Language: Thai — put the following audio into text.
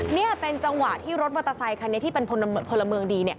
นี่เป็นจังหวะที่รถมอเตอร์ไซคันนี้ที่เป็นพลเมืองดี